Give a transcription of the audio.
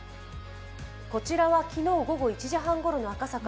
こちらは昨日午後１時半ごろの赤坂。